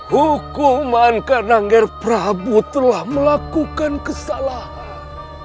hukuman kanangger prabu telah melakukan kesalahan